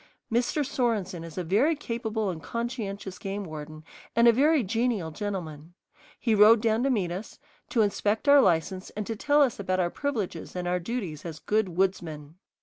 Mr. Sorenson is a very capable and conscientious game warden and a very genial gentleman. He rode down to meet us, to inspect our license and to tell us about our privileges and our duties as good woodsmen.